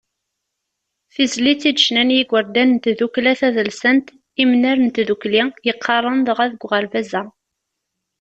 Tizlit i d-ccnan yigerdan n tdukkla tadelsant Imnar n Tdukli, yeqqaren dɣa deg uɣerbaz-a.